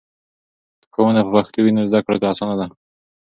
که ښوونه په پښتو وي نو زده کړه اسانه ده.